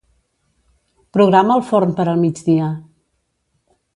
Programa el forn per al migdia.